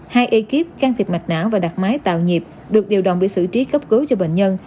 hai ekip can thiệp mạch não và đặt máy tạo nhịp được điều động để xử trí cấp cứu cho bệnh nhân